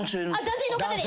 男性の方で。